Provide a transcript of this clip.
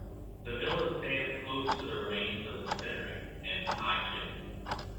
The villa stands close to the remains of the spinnery and its high chimney.